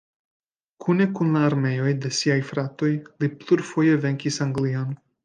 Kune kun la armeoj de siaj fratoj, li plurfoje venkis Anglion.